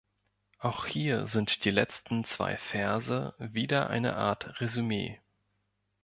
Auch hier sind die letzten zwei Verse wieder eine Art Resümee.